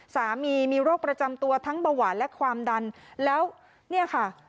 สามีมีโรคประจำตัวทั้งเบาหวานและความดันแล้วเนี่ยค่ะ